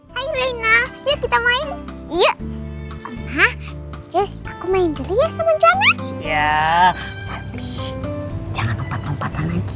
hai reina kita main yuk ha just aku main dulu ya sama jona ya tapi jangan lupa tempatan lagi